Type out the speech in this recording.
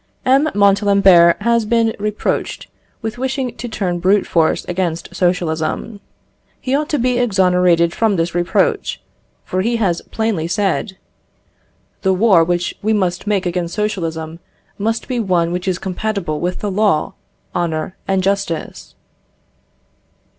M. Montalembert has been reproached with wishing to turn brute force against socialism. He ought to be exonerated from this reproach, for he has plainly said: "The war which we must make against socialism must be one which is compatible with the law, honour, and justice."